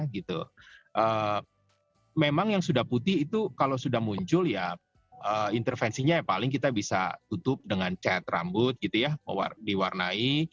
jadi memang yang sudah putih itu kalau sudah muncul ya intervensinya paling kita bisa tutup dengan cat rambut gitu ya diwarnai